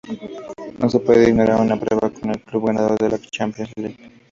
No se puede ignorar una prueba con el club ganador de la Champions League.